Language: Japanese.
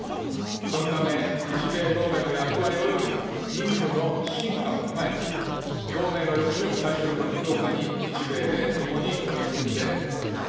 そのため、日米同盟の役割および任務の進化も踏まえ、同盟の抑止力、対処力の強化に日米で共に取り組んでいきます。